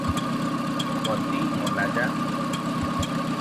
ପଦୀ - ମଲା ଯା!